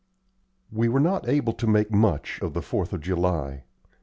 We were not able to make much of the Fourth of July.